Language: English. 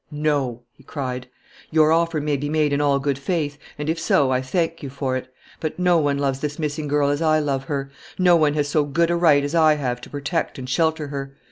"No!" he cried. "Your offer may be made in all good faith, and if so, I thank you for it; but no one loves this missing girl as I love her; no one has so good a right as I have to protect and shelter her.